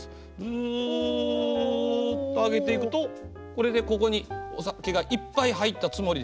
ずっと上げていくとこれでここにお酒がいっぱい入ったつもりです。